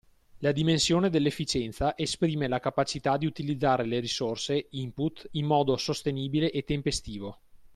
La dimensione dell'efficienza esprime la capacità di utilizzare le risorse (input) in modo sostenibile e tempestivo.